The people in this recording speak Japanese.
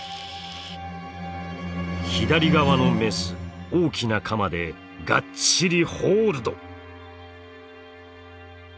左側のメス大きなカマでがっちりホールド！